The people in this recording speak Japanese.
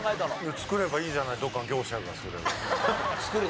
作ればいいじゃないどっかの業者がそれを。